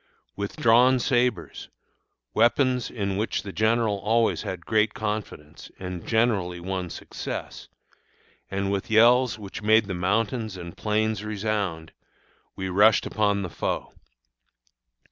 With drawn sabres weapons in which the general always had great confidence, and generally won success and with yells which made the mountains and plains resound, we rushed upon the foe.